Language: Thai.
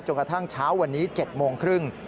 กระทั่งเช้าวันนี้๗โมงครึ่ง